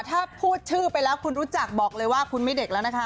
ถ้าพูดชื่อไปแล้วคุณรู้จักบอกเลยว่าคุณไม่เด็กแล้วนะคะ